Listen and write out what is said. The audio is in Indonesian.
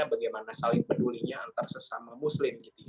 bagaimana saling pedulinya antar sesama muslim gitu ya